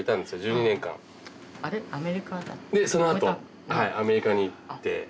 でそのあとアメリカに行って。